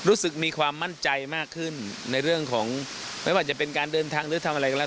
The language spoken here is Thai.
รู้สึกมีความมั่นใจมากขึ้นในเรื่องของไม่ว่าจะเป็นการเดินทางหรือทำอะไรก็แล้ว